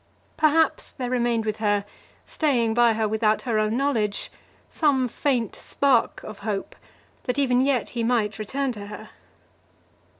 Perhaps there remained with her, staying by her without her own knowledge, some faint spark of hope, that even yet he might return to her.